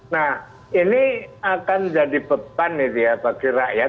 nah ini akan jadi beban gitu ya bagi rakyat